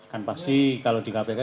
kan pasti kalau di kpk